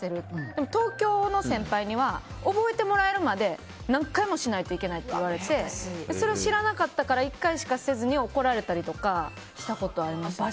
でも、東京の先輩には覚えてもらえるまで何回もしないといけないと言われてそれを知らなかったから１回しかせずに怒られたりとかしたことありますね。